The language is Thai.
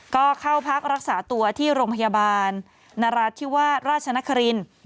ก็เข้าพักรักษาตัวที่โรงพยาบาลนราธิวาสราชนครินทร์